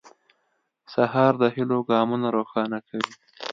سهار د هيلو ګامونه روښانه کوي.